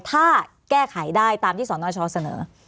ถ้าแก้ไขได้ตามที่สนชเสนอ